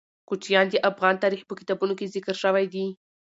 کوچیان د افغان تاریخ په کتابونو کې ذکر شوی دي.